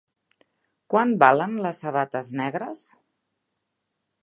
Quant valen les sabates negres?